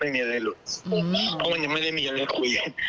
ไม่มีอะไรหลุดมากเพราะมันยังไม่ได้มีอะไรคุยกัน